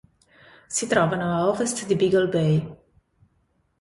Si trovano a ovest di Beagle Bay.